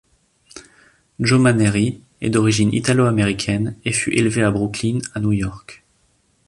Joe Maneri est d'origine italo-américaine et fut élevé à Brooklyn à New York.